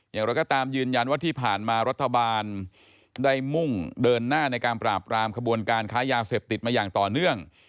อย่างไรก็ตามยืนยันว่าที่ผ่านมารัฐบาลได้มุ่งเดินหน้าในการปราบรามขบวนการค้ายาเสพติดมาอย่างต่อเนื่อง